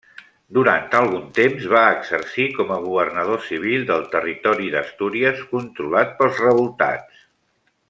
Durant algun temps va exercir com a governador civil del territori d'Astúries controlat pels revoltats.